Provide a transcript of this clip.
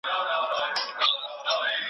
د تور ژیړي واکسین کله ورکول کیږي؟